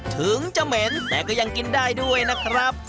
ถึงจะเหม็นแต่ก็ยังกินได้ด้วยนะครับ